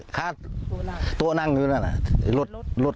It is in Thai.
โตตัวนั่งอยู่หน้าน่ะรถ